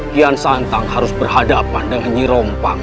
kian santang harus berhadapan dengan nyirompang